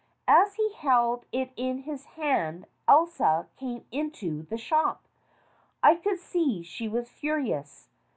As he held it in his hand Elsa came into the shop. I could see she was furious.